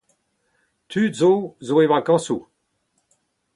Tud zo zo e vakañsoù.